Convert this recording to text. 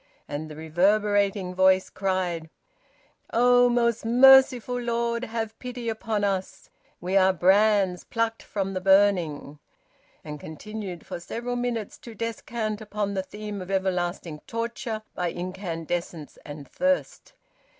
And the reverberating voice cried "Oh, most merciful Lord! Have pity upon us. We are brands plucked from the burning." And continued for several minutes to descant upon the theme of everlasting torture by incandescence and thirst.